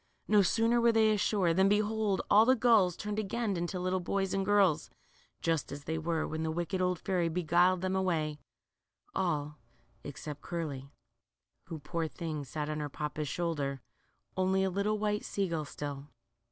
No sooner were they ashore, than behold, all the gulls turned again into little boys and girls, just as they were when the wicked old fairy beguiled them away, all except Curly, who, poor thing, sat on her papa's shoulder, only a little white sea gull still.